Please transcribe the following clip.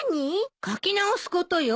書き直すことよ。